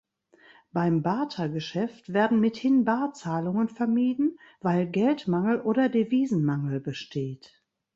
Beim Barter-Geschäft werden mithin Barzahlungen vermieden, weil Geldmangel oder Devisenmangel besteht.